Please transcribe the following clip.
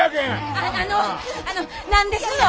ああのあの何ですの！？